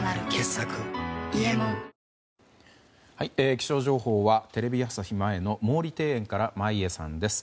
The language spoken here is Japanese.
気象情報はテレビ朝日前の毛利庭園から眞家さんです。